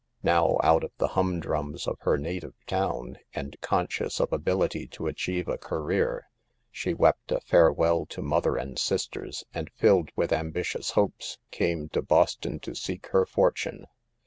Now out of the humdrum of her native town, and conscious of ability to achieve a career, she wept a farewell to mother and sisters, and filled with ambitious hopes, came to Boston to seek her fortune.